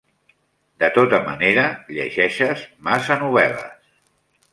De tota manera, llegeixes massa novel·les.